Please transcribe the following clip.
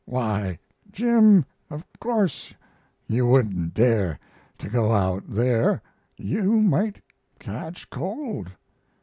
"Why, Jim, of course you wouldn't dare to go out there. You might catch cold."